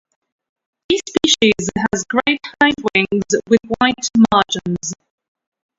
This species has grey hindwings with white margins.